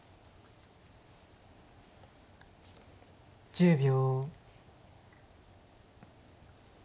１０秒。